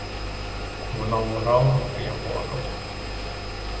Вона вмирала, а я плакав.